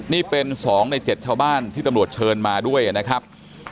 นี่เป็น๒ใน๗ชาวบ้านที่ตำรวจเชิญมาด้วยนะครับ